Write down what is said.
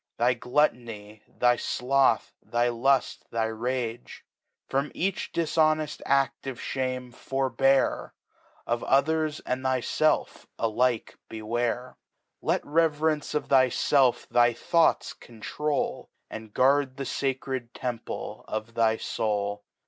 Thy Gluttonj, thy Sloth,^ thy Lull, thy Rager From each difiioneft Ad of Shame forbear; Of others, and thyielf, alike beware. Xet Reverence of thyfelf thy Thoughts control^ And guard the facred Temple of thy Soul.